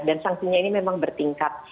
dan sanksinya ini memang bertingkat